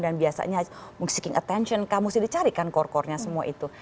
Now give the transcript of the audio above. dan biasanya musti di carikan core corenya semua itu